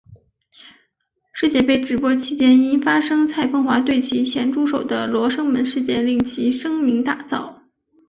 世界杯直播期间因发生蔡枫华对其咸猪手的罗生门事件令其声名大噪。